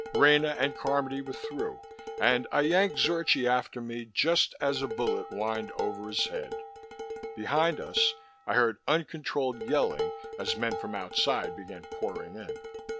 Rena and Carmody were through, and I yanked Zorchi after me, just as a bullet whined over his head. Behind us, I heard uncontrolled yelling as men from outside began pouring in.